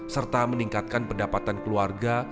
serta meningkatkan pendapatan keluarga